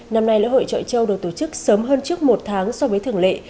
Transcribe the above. năm nay lễ hội trọi châu được tổ chức sớm hơn trước một tháng so với thường lệ